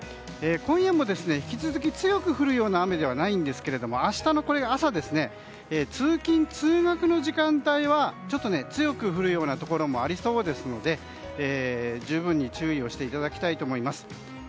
今夜も引き続き強く降るような雨ではないですが明日の朝、通勤・通学の時間帯は強く降るようなところもありそうですので十分に注意をしていただきたいと思います。